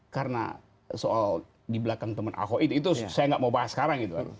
karena soal di belakang teman ahok itu saya nggak mau bahas sekarang gitu